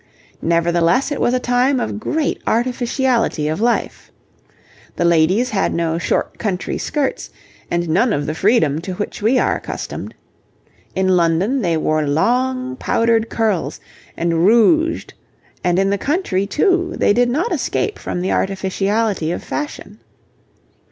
Nevertheless it was a time of great artificiality of life. The ladies had no short country skirts, and none of the freedom to which we are accustomed. In London they wore long powdered curls and rouged, and in the country too they did not escape from the artificiality of fashion.